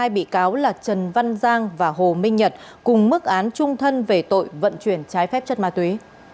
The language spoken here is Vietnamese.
hai bị cáo là trần văn giang và hồ minh nhật cùng mức án trung thân về tội vận chuyển trái phép chất ma túy